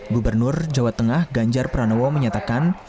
gubernur jawa tengah ganjar pranowo menyatakan